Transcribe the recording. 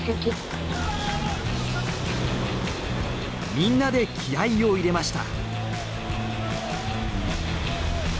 みんなで気合いを入れました。